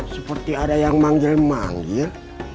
seperti ada yang manggil manggil